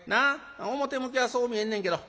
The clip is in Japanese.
表向きはそう見えんねんけど。